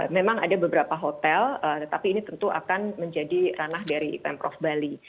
memang ada beberapa hotel tetapi ini tentu akan menjadi ranah dari pemprov bali